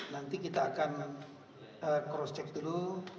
nanti kita akan cross check dulu